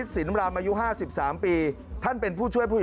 สุดท้าย